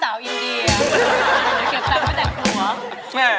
เก็บตามไว้แต้งหัว